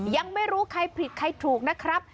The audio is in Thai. ยังไม่รู้ใครผิดใครถูกนะครับ